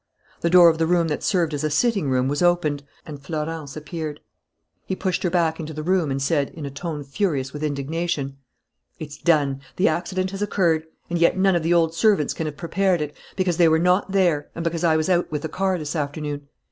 The door of the room that served as a sitting room was opened and Florence appeared. He pushed her back into the room, and said, in a tone furious with indignation: "It's done. The accident has occurred. And yet none of the old servants can have prepared it, because they were not there and because I was out with the car this afternoon.